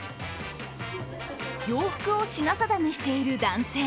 洋服を品定めしている男性。